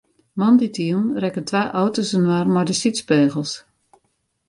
Moandeitejûn rekken twa auto's inoar mei de sydspegels.